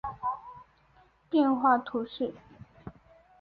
热尔人口变化图示